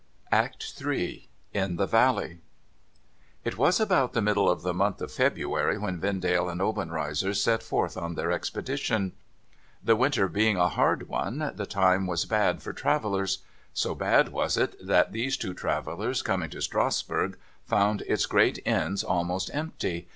' ACT HI IN THE VALLEV It was about the middle of the month of February when Vendale and Obenreizer set forth on their expedition. The winter being a hard one, the time was bad for travellers. So bad was it that these two travellers, coming to Strasbourg, found its great inns almost empty.